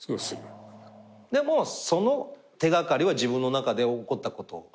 でもその手掛かりは自分の中で起こったこと。